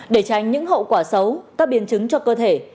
để tránh những hậu quả xấu các biến chứng cho cơ thể